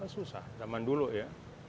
susah zaman dulu ya